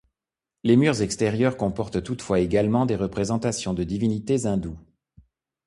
Les murs extérieurs comportent toutefois également des représentations de divinités hindoues.